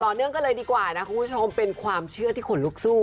เนื่องกันเลยดีกว่านะคุณผู้ชมเป็นความเชื่อที่ขนลุกสู้